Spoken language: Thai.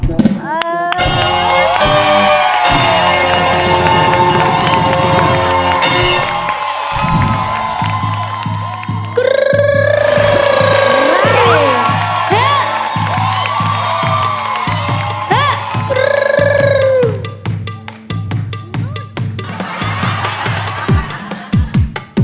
เตอร์โชว์